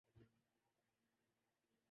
میرے جوتے پالش کروا دیجئے